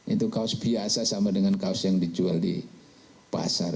itu kaos biasa sama dengan kaos yang dijual di pasar